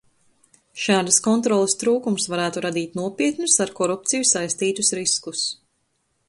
Šādas kontroles trūkums varētu radīt nopietnus, ar korupciju saistītus riskus.